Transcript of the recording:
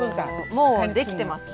もうできております。